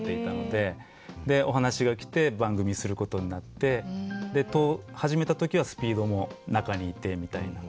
でお話が来て番組することになって始めた時はＳＰＥＥＤも中にいてみたいな。